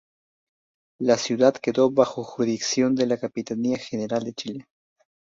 La ciudad quedó bajo jurisdicción de la Capitanía General de Chile.